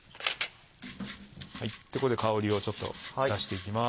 香りをちょっと出していきます。